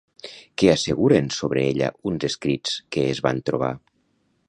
Què asseguren sobre ella uns escrits que es van trobar?